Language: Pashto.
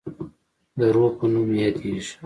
د روه په نوم یادیږي.